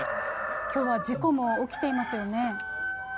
きょうは事故も起きていますよね。